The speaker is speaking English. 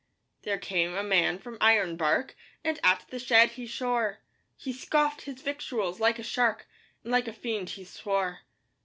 There came a man from Ironbark, And at the shed he shore; He scoffed his victuals like a shark, And like a fiend he swore.